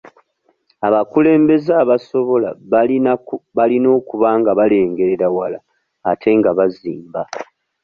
Abakulembeze abasobola balina okuba nga balengerera wala ate nga bazimba.